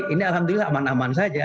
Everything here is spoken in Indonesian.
ini alhamdulillah aman aman saja